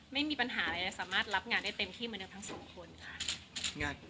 ไม่มีปัญหาอะไรสามารถรับงานได้เต็มที่เหมือนเดิมทั้งสองคนค่ะ